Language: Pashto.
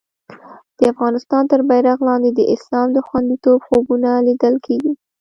د افغانستان تر بېرغ لاندې د اسلام د خوندیتوب خوبونه لیدل کېږي.